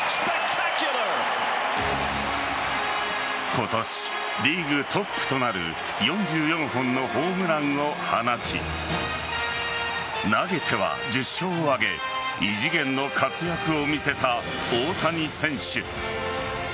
今年、リーグトップとなる４４本のホームランを放ち投げては１０勝を挙げ異次元の活躍を見せた大谷選手。